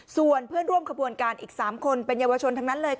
ส่วนเพื่อนร่วมขบวนการอีก๓คนเป็นเยาวชนทั้งนั้นเลย